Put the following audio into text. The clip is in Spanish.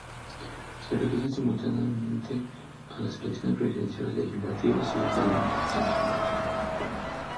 Se realizan simultáneamente a las elecciones presidenciales, legislativas y al parlamento centroamericano.